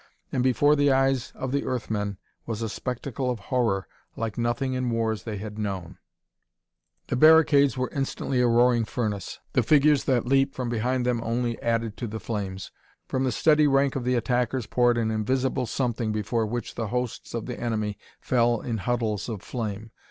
And before the eyes of the Earth men was a spectacle of horror like nothing in wars they had known. The barricades were instantly a roaring furnace; the figures that leaped from behind them only added to the flames. From the steady rank of the attackers poured an invisible something before which the hosts of the enemy fell in huddles of flame.